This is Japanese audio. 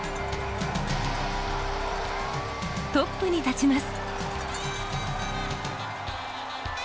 トップに立ちます。